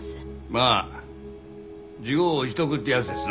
まあ自業自得ってやつですな。